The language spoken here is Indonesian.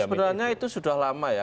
sebenarnya itu sudah lama ya